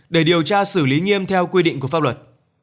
để điều tra xử lý nghiêm theo quy định của pháp luật